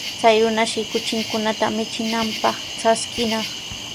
Chay runashi kuchinkunata michinanpaq traskinaq.